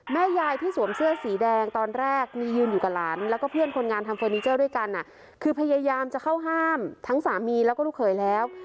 แม่ยายที่สวมเสื้อสีแดงตอนแรกมียืนอยู่กับหลานแล้วก็เพื่อนคนงานทำเฟอร์นิเจอร์ด้วยกันคือพยายามจะเข้าห้ามทั้งสามีแล้วก็ลูกเขยแล้ว